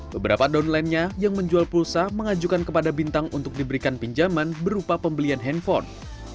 beberapa downline nya yang menjual pulsa mengajukan kepada bintang untuk diberikan pinjaman berupa pembelian handphone